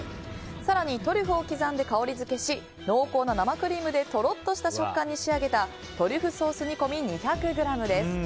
更にトリュフを刻んで香りづけし濃厚な生クリームでとろっとした食感に仕上げたトリュフソース煮込み２００ｇです。